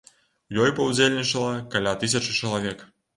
У ёй паўдзельнічала каля тысячы чалавек.